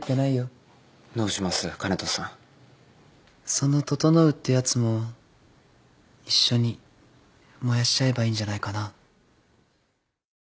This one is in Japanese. その整ってやつも一緒に燃やしちゃえばいいんじゃないかな。